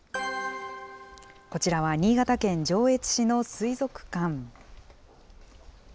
こちらは新潟県上越市の水族館。